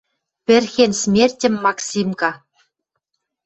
Пӹрхен смертьӹм «максимка».